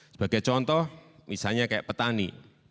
sebagai contoh misalnya kayak petani